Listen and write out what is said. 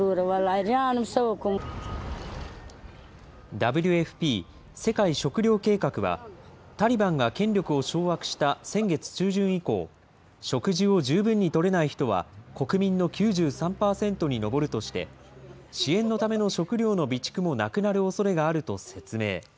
ＷＦＰ・世界食糧計画は、タリバンが権力を掌握した先月中旬以降、食事を十分にとれない人は国民の９３％に上るとして、支援のための食料の備蓄もなくなるおそれがあると説明。